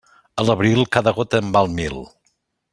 A l'abril, cada gota en val mil.